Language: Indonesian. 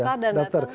daftar dan daftar